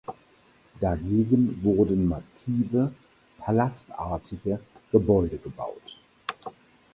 Dagegen wurden massive, palastartige Gebäude gebaut.